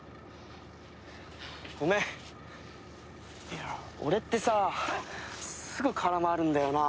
いや俺ってさすぐ空回るんだよな。